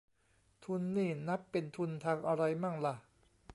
ทุนนี่นับทุนทางอะไรมั่งล่ะ